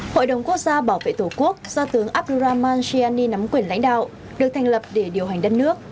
hội đồng quốc gia bảo vệ tổ quốc do tướng abdurahman chiani nắm quyền lãnh đạo được thành lập để điều hành đất nước